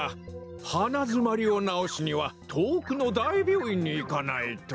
花づまりをなおすにはとおくのだいびょういんにいかないと。